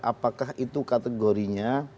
apakah itu kategorinya